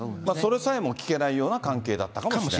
それさえも聞けないような関係だったかもしれない。